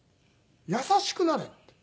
「優しくなれ」って。